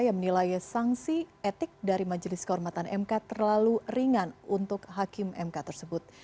yang menilai sanksi etik dari majelis kehormatan mk terlalu ringan untuk hakim mk tersebut